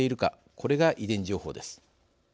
これが遺伝情報です。